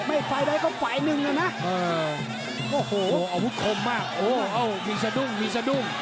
นี่ไม่ไฟใดก็ไฟหนึ่งนะนะโอ้โหอาวุธคมมากโอ้โหโอ้โหมีสะดุ้งมีสะดุ้ง